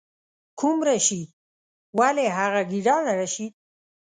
کوم رشید؟ ولې هغه ګیدړ رشید.